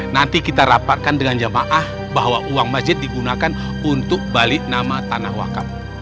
nanti kita rapatkan dengan jamaah bahwa uang masjid digunakan untuk balik nama tanah wakaf